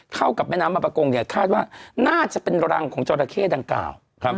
เข้ากับแม่น้ำมาประกงเนี่ยคาดว่าน่าจะเป็นรังของจอราเข้ดังกล่าว